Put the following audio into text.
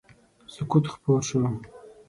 سکوت خپور شو.